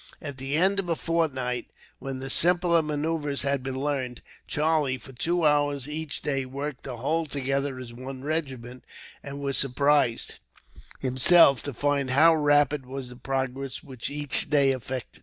At the end of a fortnight, when the simpler manoeuvres had been learned, Charlie, for two hours each day, worked the whole together as one regiment; and was surprised, himself, to find how rapid was the progress which each day effected.